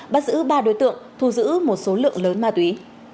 bắt giữ ba đối tượng thu giữ một số lượng lớn ma túy